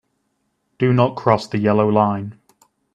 Do not cross the yellow line.